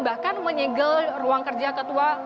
bahkan menyegel ruang kerja ketua